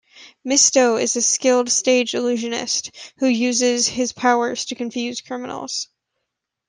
Mysto is a skilled stage illusionist, who uses his powers to confuse criminals.